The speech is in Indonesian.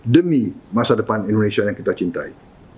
demi masa depan indonesia yang kita cintai